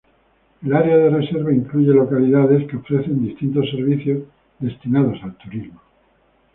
El área de la reserva incluye localidades que ofrecen distintos servicios destinados al turismo.